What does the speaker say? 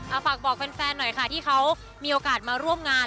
เอาฝากบอกแฟนหน่อยค่ะที่เขามีโอกาสมาร่วมงาน